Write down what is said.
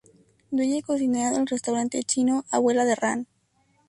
Dueña y cocinera del restaurante chino, abuela de Ran.